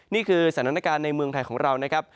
นี่คือสถานการณ์ในเมืองไทยของเรานะครับ